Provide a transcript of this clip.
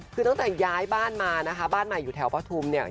คือตั้งแต่ย้ายบ้านมานะคะบ้านใหม่อยู่แถวปฐุมเนี่ย